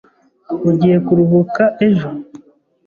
Ugiye kuruhuka ejo?